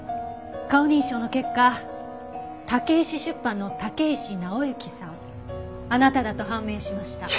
顔認証の結果武石出版の武石直之さんあなただと判明しました。